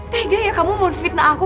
teganya kamu mau fitnah aku